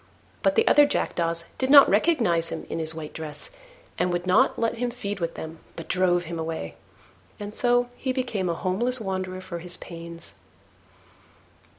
But the other jackdaws did not recognise him in his white dress, and would not let him feed with them, but drove him away: and so he became a homeless wanderer for his pains.